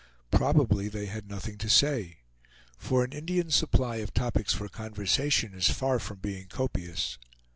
Probably they had nothing to say; for an Indian's supply of topics for conversation is far from being copious.